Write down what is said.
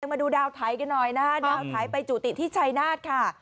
มาดูดาวไทยกันหน่อยนะฮะดาวไทยไปจุติที่ชัยนาธค่ะ